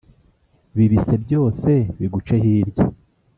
bibise byose biguce hirya